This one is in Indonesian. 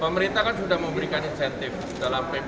pemerintah kan sudah memberikan insentif dalam pp tujuh puluh tiga